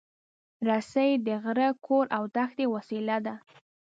رسۍ د غره، کور، او دښتې وسیله ده.